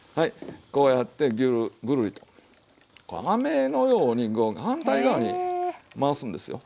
こうやってグルリとあめのように反対側に回すんですよ。